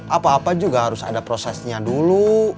apa apa juga harus ada prosesnya dulu